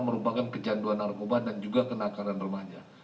merupakan kecanduan narkoba dan juga kenakanan remaja